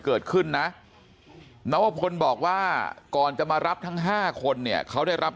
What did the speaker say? เกิดขึ้นนะนวพลบอกว่าก่อนจะมารับทั้ง๕คนเนี่ยเขาได้รับ